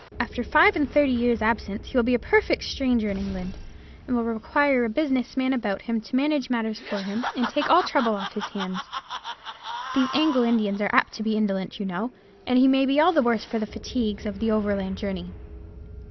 After five and thirty years' absence he will be a perfect stranger in England, and will require a business man about him to manage matters for him, and take all trouble off his hands. These Anglo Indians are apt to be indolent, you know, and he may be all the worse for the fatigues of the overland journey.